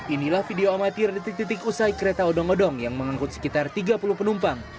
inilah video amatir detik detik usai kereta odong odong yang mengangkut sekitar tiga puluh penumpang